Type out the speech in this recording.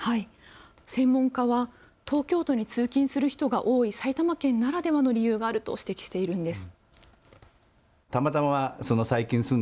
専門家は東京都に通勤する人が多い埼玉県ならではの理由があると指摘しているんです。